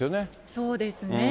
そうですね。